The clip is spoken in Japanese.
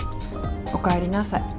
おかえりなさい。